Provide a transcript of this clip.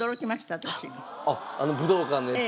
あの武道館のやつ？